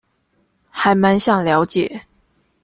還滿想了解